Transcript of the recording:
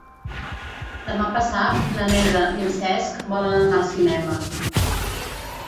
Demà passat na Neida i en Cesc volen anar al cinema.